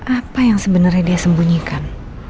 apa yang sebenarnya dia sembunyikan